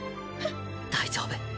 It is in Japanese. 大丈夫！